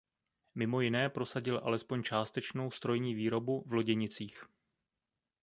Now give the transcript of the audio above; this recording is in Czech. Mimo jiné prosadil alespoň částečnou strojní výrobu v loděnicích.